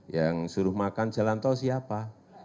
yang suruh makan jalan tol siapa